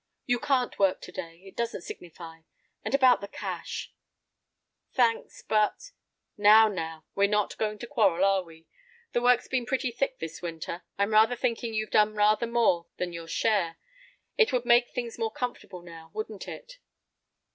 "You can't work to day. It doesn't signify. And about the cash—" "Thanks, but—" "Now, now, we're not going to quarrel, are we? The work's been pretty thick this winter. I'm rather thinking you've done rather more than your share. It would make things more comfortable, now—wouldn't it?"